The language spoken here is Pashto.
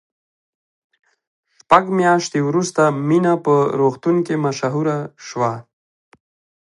شپږ میاشتې وروسته مینه په روغتون کې مشهوره شوه